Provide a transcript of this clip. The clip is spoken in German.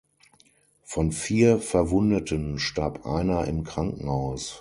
Von vier Verwundeten starb einer im Krankenhaus.